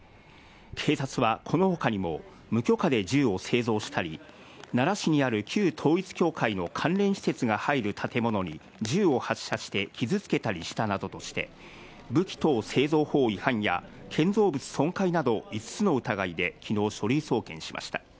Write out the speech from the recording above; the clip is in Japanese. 警察はこのほかにも、無許可で銃を製造したり、奈良市にある旧統一教会の関連施設が入る建物に銃を発射して傷つけたりしたなどとして、武器等製造法違反や、建造物損壊など５つの疑いできのう、書類送検しました。